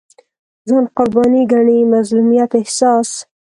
ځان قرباني ګڼي مظلومیت احساس